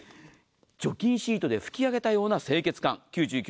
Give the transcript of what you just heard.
除菌シートで拭き上げたような清潔感。